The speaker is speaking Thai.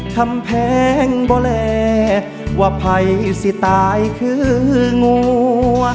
คำแพงบ่แหลว่าใครสิตายคืองัว